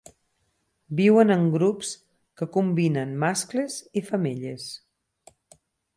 Viuen en grups que combinen mascles i femelles.